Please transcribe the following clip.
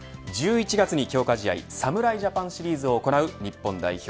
１１月に強化試合侍ジャパンシーズンを行う日本代表。